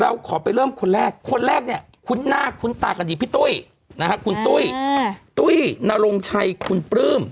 เราขอไปเริ่มคนแรกคนแรกเนี่ยคุ้นหน้าคุ้นตากันดีพี่ตุ้ยนะฮะคุณตุ้ยตุ้ยนรงชัยคุณปลื้ม